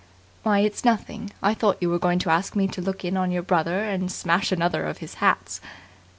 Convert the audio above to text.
"Why, it's nothing. I thought you were going to ask me to look in on your brother and smash another of his hats."